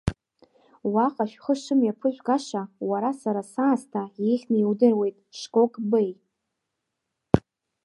Уаҟа шәхы шымҩаԥыжәгаша уара сара саасҭа иеиӷьны иудыруеит Шкок Беи…